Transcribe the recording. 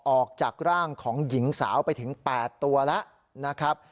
ออกจากร่างของหญิงสาวไปถึง๘ตัวแล้วนะครับ